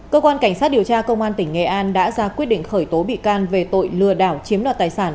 cơ quan cảnh sát điều tra công an tỉnh nghệ an đã ra quyết định khởi tố bị can về tội lừa đảo chiếm đoạt tài sản